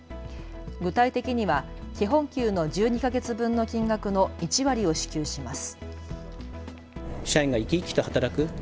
具体的には基本給の１２か月分の金額の１割を支給します。